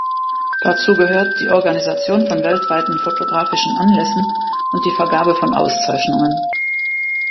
Dazu gehört die Organisation von weltweiten fotografischen Anlässen und die Vergabe von Auszeichnungen.